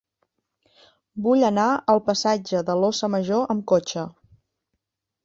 Vull anar al passatge de l'Óssa Major amb cotxe.